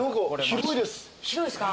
広いですか？